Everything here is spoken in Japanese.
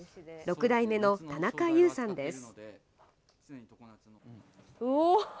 ６代目の田中優さんです。